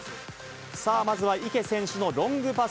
さあ、まずは池選手のロングパス。